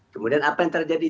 kemudian apa yang terjadi